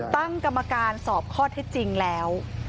ตั้งกรรมการสอบข้อเท็จจริงแล้ว